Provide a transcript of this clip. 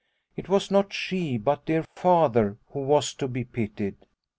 It was not she but dear Father who was to be pitied.